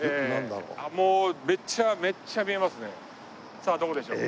さあどこでしょう？